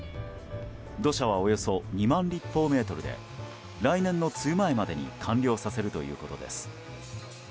土砂はおよそ２万立方メートルで来年の梅雨前までに完了させるということです。